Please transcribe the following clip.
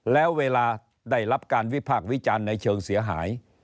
แล้วเวลาได้รับการวิพากษ์วิจารณ์ในเชิงเสียหาย